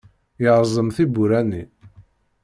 Yerẓem tiwwura-nni.